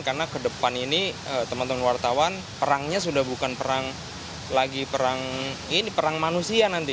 karena ke depan ini teman teman wartawan perangnya sudah bukan perang lagi perang manusia nanti